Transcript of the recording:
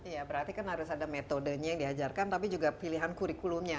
ya berarti kan harus ada metodenya yang diajarkan tapi juga pilihan kurikulumnya